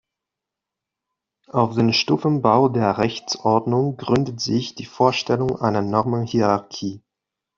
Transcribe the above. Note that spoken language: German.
Auf den Stufenbau der Rechtsordnung gründet sich die Vorstellung einer Normenhierarchie.